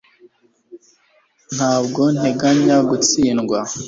ntabwo nteganya gutsindwa